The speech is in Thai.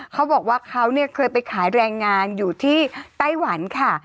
เขาบอกว่าเขาเนี่ยเคยไปขายแรงงานอยู่ที่ไต้หวันค่ะ